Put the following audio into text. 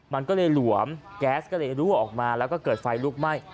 มันก็เลยหลวมแก๊สก็เลยรั่วออกมาแล้วก็เกิดไฟลุกไหม้